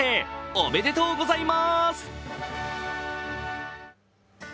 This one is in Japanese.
おめでとうございます。